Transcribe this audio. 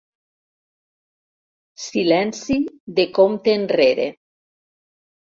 Silenci de compte enrere.